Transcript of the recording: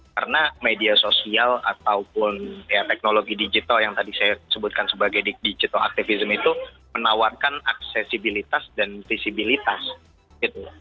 karena media sosial ataupun teknologi digital yang tadi saya sebutkan sebagai digital aktivisme itu menawarkan aksesibilitas dan visibilitas gitu